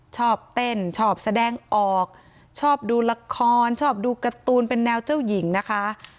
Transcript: ชอบเต้นชอบแสดงออกชอบดูละครชอบดูการ์ตูนเป็นแนวเจ้าหญิงนะคะ